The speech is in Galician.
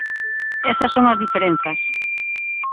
Esas son as diferenzas.